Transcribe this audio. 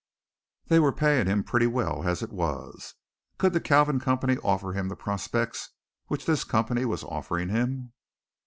They were paying him pretty well as it was. Could the Kalvin Company offer him the prospects which this company was offering him?